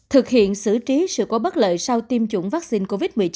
thực hiện xử trí sự cố bất lợi sau tiêm chủng vaccine covid một mươi chín